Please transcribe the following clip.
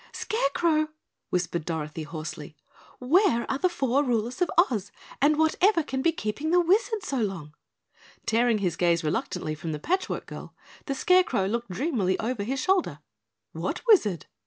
Scarecrow!" whispered Dorothy hoarsely, "Where are the Four Rulers of Oz, and whatever can be keeping the Wizard so long?" Tearing his gaze reluctantly from the Patch Work Girl, the Scarecrow looked dreamily over his shoulder. "WHAT WIZARD?"